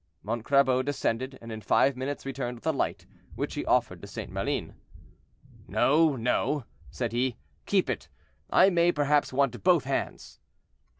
Montcrabeau descended, and in five minutes returned with a light, which he offered to St. Maline. "No, no," said he; "keep it; I may, perhaps, want both hands."